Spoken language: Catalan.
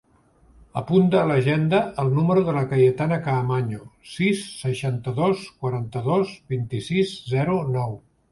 Apunta a l'agenda el número de la Cayetana Caamaño: sis, seixanta-dos, quaranta-dos, vint-i-sis, zero, nou.